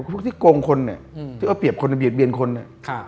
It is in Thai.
พวกที่โกงคนเนี่ยที่เอาเปรียบคนเบียดเบียนคนเนี่ย